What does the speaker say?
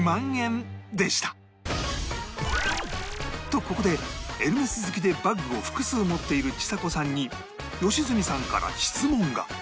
とここでエルメス好きでバッグを複数持っているちさ子さんに良純さんから質問が